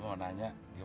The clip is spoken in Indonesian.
udah dua kali ngelepon